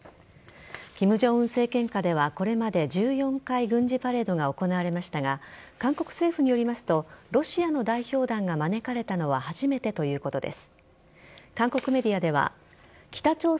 金正恩政権下ではこれまで１４回軍事パレードが行われましたが韓国政府によりますとロシアの代表団が招かれたのは初めてということです。